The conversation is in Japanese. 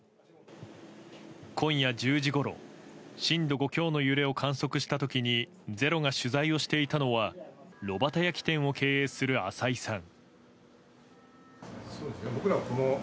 今夜１０時ごろ震度５強の揺れを観測した時に「ｚｅｒｏ」が取材をしていたのは炉端焼き店を経営する、浅井さん。